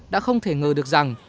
đã không thể ngờ được rằng